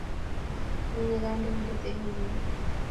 Menye kandoindet eng ingweny